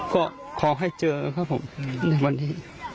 ก็ขอให้เจอครับผมในวันนี้